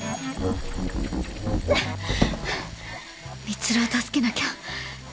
充を助けなきゃ